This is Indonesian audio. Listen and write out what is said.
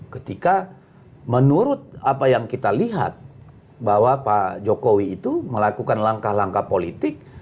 ketika menurut apa yang kita lihat bahwa pak jokowi itu melakukan langkah langkah politik